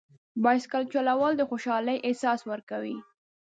بایسکل چلول د خوشحالۍ احساس ورکوي.